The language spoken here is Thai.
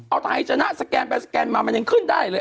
เอาไทยชนะสแกนไปสแกนมามันยังขึ้นได้เลย